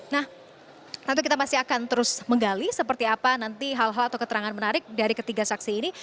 nah nanti kita masih akan terus menggali seperti apa nanti hal hal atau keterangan menarik dari ketiga saksi ini